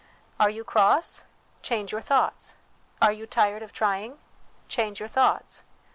Are you cross ? Change your thoughts. Are you tired of trying ? Change your thoughts.